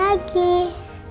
dan gak sedih lagi